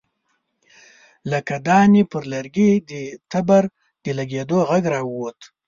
له کاهدانې پر لرګي د تبر د لګېدو غږ را ووت.